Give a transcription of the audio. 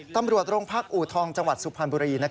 ตำรวจโรงพักอูทองจังหวัดสุพรรณบุรี